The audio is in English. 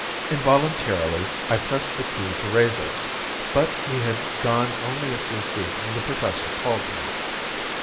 Involuntarily I pressed the key to raise us. But we had gone only a few feet when the Professor called to me.